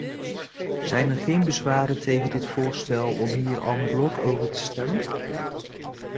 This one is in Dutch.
Zijn er geen bezwaren tegen dit voorstel om hier en bloc over te stemmen?